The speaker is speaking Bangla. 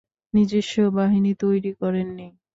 নিজস্ব বাহিনী তৈরী করেননি।